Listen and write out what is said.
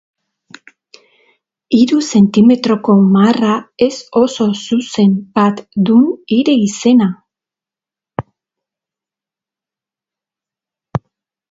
Hiru zentimetroko marra ez oso zuzen bat dun hire izena.